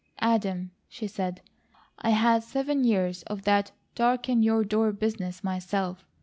"Adam," she said, "I had seven years of that 'darken you door' business, myself.